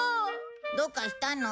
どうかしたの？